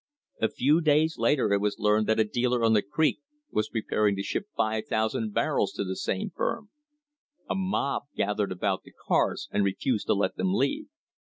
A few days later it was learned that a dealer on the creek was preparing to ship 5,000 barrels to the same firm. A mob gathered about the cars and refused to let them leave.